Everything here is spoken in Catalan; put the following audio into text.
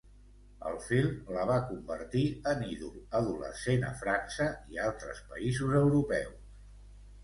El film la va convertir en ídol adolescent a França i altres països europeus.